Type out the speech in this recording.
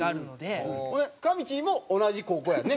かみちぃも同じ高校やんね？